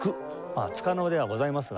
つかの間ではございますがね